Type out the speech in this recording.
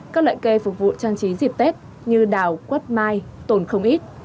các loại cây phục vụ trang trí dịp tết như đào quất mai tồn không ít